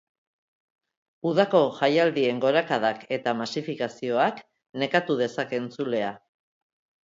Udako jaialdien gorakadak eta masifikazioak nekatu dezake entzulea.